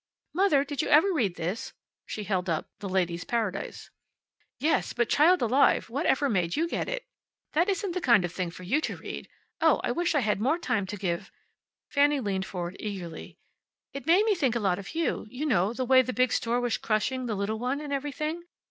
"Mother, did you ever read this?" She held up "The Ladies' Paradise." "Yes; but child alive, what ever made you get it? That isn't the kind of thing for you to read. Oh, I wish I had more time to give " Fanny leaned forward eagerly. "It made me think a lot of you. You know the way the big store was crushing the little one, and everything.